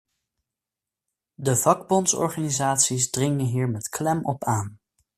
De vakbondsorganisaties dringen hier met klem op aan.